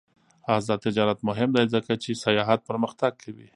آزاد تجارت مهم دی ځکه چې سیاحت پرمختګ کوي.